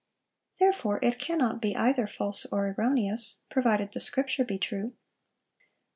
Therefore it cannot be either false or erroneous, provided the Scripture be true."